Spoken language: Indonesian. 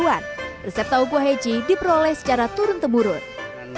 enam puluh an resep tau kuah heci diperoleh secara turun temurun